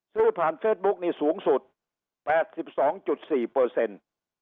ซื้อผ่านเฟซบุ๊กนี่สูงสุดแปดสิบสองจุดสี่เปอร์เซ็นต์